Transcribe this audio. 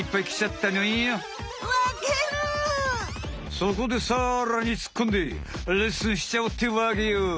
そこでさらにつっこんでレッスンしちゃおうってわけよ！